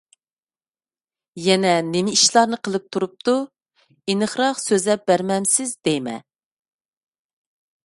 يەنە نېمە ئىشلارنى قىلىپ تۇرۇپتۇ؟ ئېنىقراق سۆزلەپ بەرمەمسىز دەيمەن!